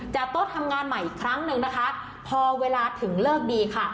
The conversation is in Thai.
โต๊ะทำงานใหม่อีกครั้งหนึ่งนะคะพอเวลาถึงเลิกดีค่ะ